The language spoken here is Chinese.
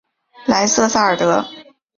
莱瑟萨尔德。